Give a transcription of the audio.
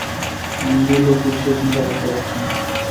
নীলু গুছিয়ে চিন্তা করতে পারছে না।